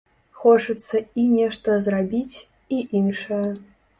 Хочацца і нешта зрабіць, і іншае.